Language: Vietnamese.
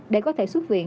để có thể xuất viện